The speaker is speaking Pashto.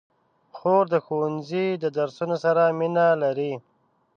خور د ښوونځي د درسونو سره مینه لري.